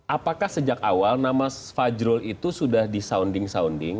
apakah sejak awal nama fajrul itu sudah di sounding sounding